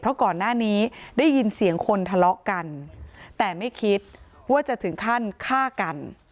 เพราะก่อนหน้านี้ได้ยินเสียงคนทะเลาะกันแต่ไม่คิดว่าจะถึงขั้นฆ่ากัน